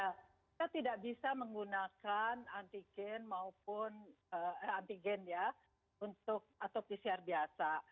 kita tidak bisa menggunakan antigen maupun antigen ya untuk atau pcr biasa